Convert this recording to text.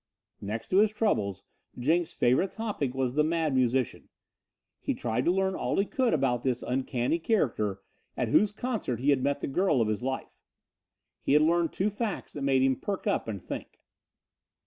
Next to his troubles, Jenks' favorite topic was the Mad Musician. He tried to learn all he could about this uncanny character at whose concert he had met the girl of his life. He learned two facts that made him perk up and think.